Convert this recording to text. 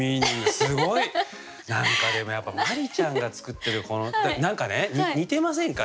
すごい！何かでもやっぱ真里ちゃんが作ってるこの歌何かね似てませんか？